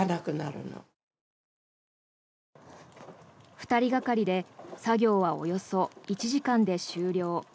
２人がかりで作業はおよそ１時間で終了。